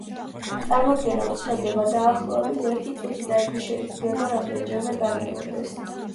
წარმოდგენა ვრცელდება დაახლოებით ერთი წუთი და იგი შეიძლება რამდენიმეჯერ განმეორდეს.